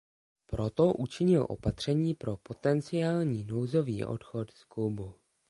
Proto učinil opatření pro potenciální nouzový odchod z klubu.